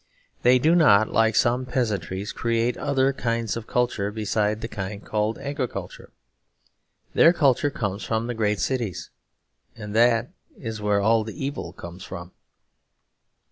They do not, like some peasantries, create other kinds of culture besides the kind called agriculture. Their culture comes from the great cities; and that is where all the evil comes from.